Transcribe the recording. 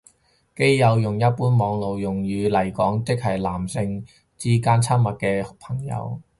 基友用一般網絡用語嚟講即係男性之間親密嘅朋友